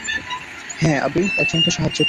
হ্যাঁ, অ্যাবি, একজনকে সাহায্য করো।